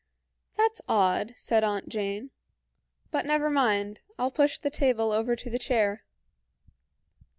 "That's odd," said Aunt Jane; "but never mind, I'll push the table over to the chair."